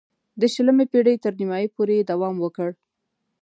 د شلمې پېړۍ تر نیمايی پورې یې دوام وکړ.